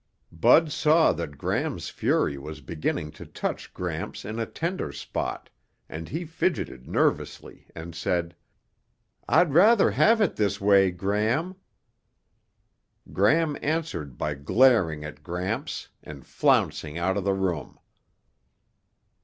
Bud saw that Gram's fury was beginning to touch Gramps in a tender spot, and he fidgeted nervously and said, "I'd rather have it this way, Gram." Gram answered by glaring at Gramps and flouncing out of the room.